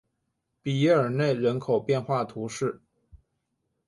比耶尔内人口变化图示